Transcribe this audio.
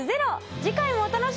次回もお楽しみに！